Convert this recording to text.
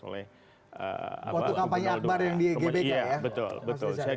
waktu kampanye akbar yang di gbk ya